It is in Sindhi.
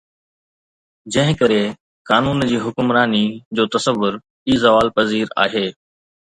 جنهن ڪري قانون جي حڪمراني جو تصور ئي زوال پذير آهي